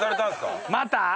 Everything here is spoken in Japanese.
また？